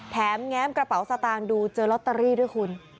แง้มกระเป๋าสตางค์ดูเจอลอตเตอรี่ด้วยคุณ